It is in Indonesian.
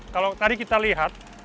kalau tadi kita lihat